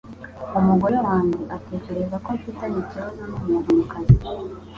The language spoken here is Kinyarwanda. Umugore wanjye atekereza ko mfitanye ikibazo numuntu mukazi